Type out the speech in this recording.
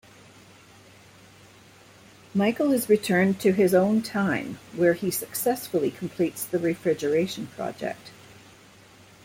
Michael is returned to his own time, where he successfully completes the refrigeration project.